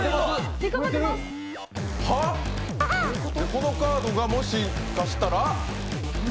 このカードがもしかしたら？